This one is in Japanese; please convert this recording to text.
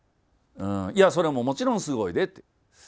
いやそれももちろんすごいでって。